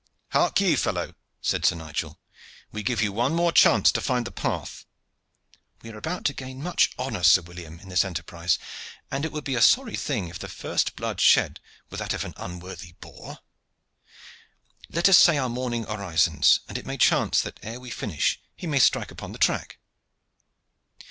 "Hark ye, fellow," said Sir Nigel. "We give you one more chance to find the path. We are about to gain much honor, Sir William, in this enterprise, and it would be a sorry thing if the first blood shed were that of an unworthy boor. Let us say our morning orisons, and it may chance that ere we finish he may strike upon the track."